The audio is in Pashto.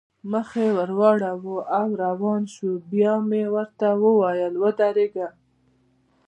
مخ یې واړاوه او روان شول، بیا مې ورته وویل: ودرېږئ.